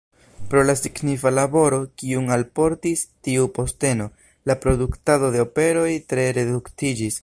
Pro la signifa laboro, kiun alportis tiu posteno, la produktado de operoj tre reduktiĝis.